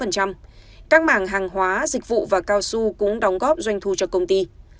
các mảng hàng hóa dịch vụ và cao su cũng đóng góp doanh thu cho công ty